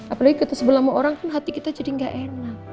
apalagi kita sebelah orang hati kita jadi gak enak